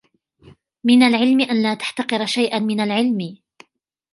مِنْ الْعِلْمِ أَنْ لَا تَحْتَقِرَ شَيْئًا مِنْ الْعِلْمِ